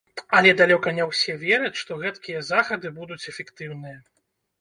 Але далёка не ўсе вераць, што гэткія захады будуць эфектыўныя.